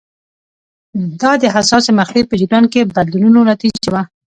دا د حساسې مقطعې په جریان کې بدلونونو نتیجه وه.